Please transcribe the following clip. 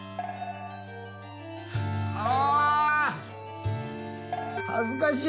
あ！